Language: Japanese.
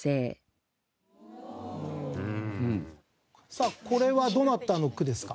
さあこれはどなたの句ですか？